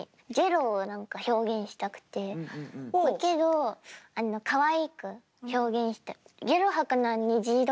けどかわいく表現したい。